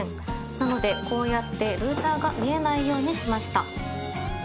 なのでこうやってルーターが見えないようにしました。